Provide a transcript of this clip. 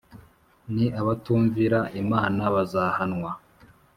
ni abatumvira Imana bazahanwa